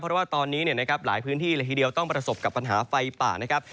เพราะว่าตอนนี้นะครับหลายพื้นที่เลยทีเดียวต้องประสบกับปัญหาไฟป่านะครับ